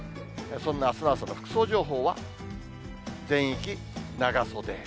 そんなあすの朝の服装情報は、全域長袖。